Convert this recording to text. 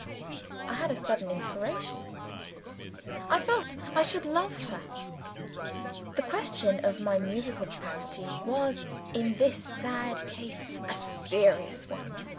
I had a sudden inspiration. I felt I should love her. The question of my musical capacity was, in this sad case, a serious one.